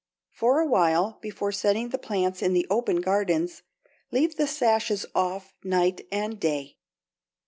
For a while before setting the plants in the open gardens, leave the sashes off night and day.